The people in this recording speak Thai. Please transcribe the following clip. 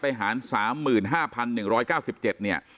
หาร๓๕๑๙๗เนี่ย